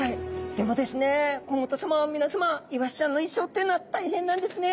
でもですね甲本さま皆さまイワシちゃんの一生というのは大変なんですね。